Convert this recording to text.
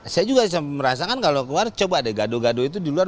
saya juga merasakan kalau keluar coba deh gado gado itu di luar